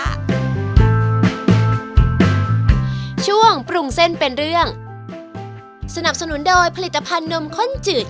อ้าวคุณผู้ชมมาพอดีเลย